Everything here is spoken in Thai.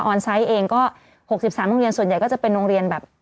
อนไซต์เองก็๖๓โรงเรียนส่วนใหญ่ก็จะเป็นโรงเรียนแบบ